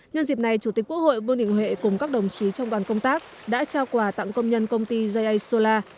nhân dịp này chủ tịch quốc hội vương định huệ cùng các đồng chí trong đoàn công tác đã trao quà tặng công nhân công ty j a solar